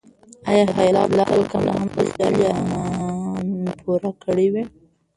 آیا حیات الله به کله هم د خپلې مېرمنې ارمان پوره کړی وي؟